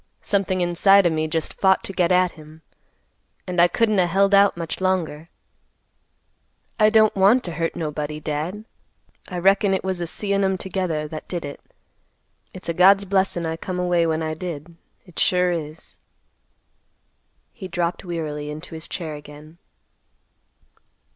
Something inside o' me just fought to get at him, and I couldn't a held out much longer. I don't want to hurt nobody, Dad. I reckon it was a seein' 'em together that did it. It's a God's blessin' I come away when I did; it sure is." He dropped wearily into his chair again.